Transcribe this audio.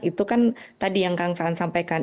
itu kan tadi yang kang saan sampaikan